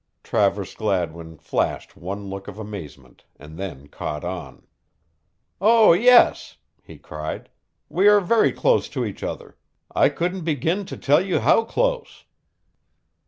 Travers Gladwin flashed one look of amazement and then caught on. "Oh, yes," he cried, "we are very close to each other I couldn't begin to tell you how close."